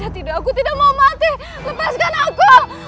kau di tempatku gusti ratu